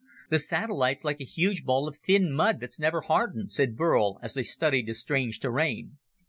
"The satellite's like a huge ball of thin mud that's never hardened," said Burl as they studied the strange terrain.